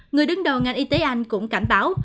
người đứng đầu ngành y tế anh cũng cảnh báo